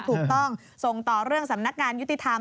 ถูกต้องส่งต่อเรื่องสำนักงานยุติธรรม